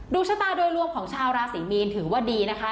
ชะตาโดยรวมของชาวราศีมีนถือว่าดีนะคะ